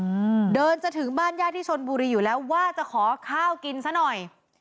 อืมเดินจะถึงบ้านญาติที่ชนบุรีอยู่แล้วว่าจะขอข้าวกินซะหน่อย